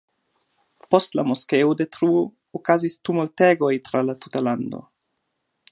Post la moskeo-detruo okazis tumultegoj tra la tuta lando.